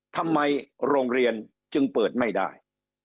ทำไมโรงเรียนจึงเปิดไม่ได้